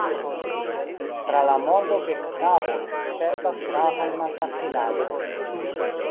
Tra la mondo geknaboj spertas gravajn malfacilaĵojn.